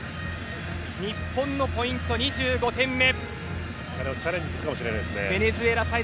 日本のポイント、２５点目。